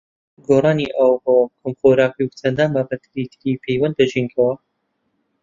گۆڕانی ئاووهەوا و کەمخۆراکی و چەندان بابەتی تری پەیوەند بە ژینگەوە